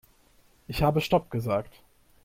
Ich habe stopp gesagt.